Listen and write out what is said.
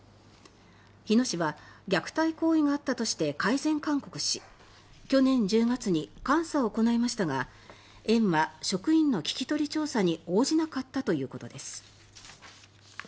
日野市は虐待行為があったとして改善勧告し去年１０月に監査を行いましたが園は職員の聞き取り調査に応じなかったということです。